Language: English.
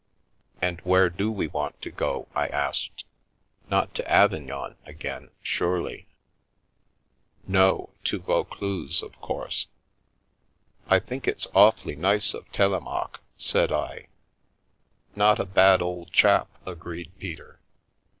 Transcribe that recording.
" And where do we want to go? " I asked. " Not to Avignon again, surely ?"" No, to Vaucluse, of course." " I think it's awfully nice of Telemaque," said I. " Not a bad old chap," agreed Peter.